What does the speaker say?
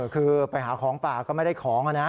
คือไปหาของป่าก็ไม่ได้ของนะ